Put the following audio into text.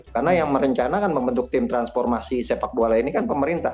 karena yang merencanakan membentuk tim transformasi sepak bola ini kan pemerintah